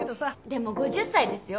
でも５０歳ですよ。